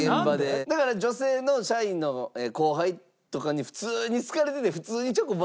だから女性の社員の後輩とかに普通に好かれてて普通にチョコもらえるっていう。